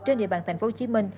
trên địa bàn tp hcm